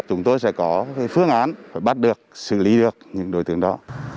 chúng tôi sẽ có phương án bắt được xử lý được những đối tượng đó